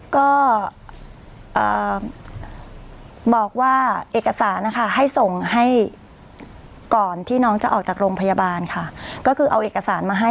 ก็บอกว่าเอกสารนะคะให้ส่งให้ก่อนที่น้องจะออกจากโรงพยาบาลค่ะก็คือเอาเอกสารมาให้